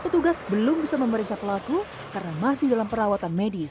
petugas belum bisa memeriksa pelaku karena masih dalam perawatan medis